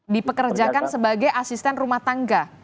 dipekerjakan sebagai asisten rumah tangga